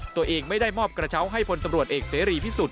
ตัวเองไม่ได้มอบกระเช้าให้พลตำรวจเอกเสรีพิสุทธิ